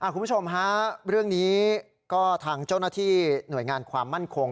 คุณผู้ชมฮะเรื่องนี้ก็ทางเจ้าหน้าที่หน่วยงานความมั่นคง